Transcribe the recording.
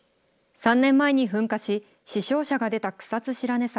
３年前に噴火し、死傷者が出た草津白根山。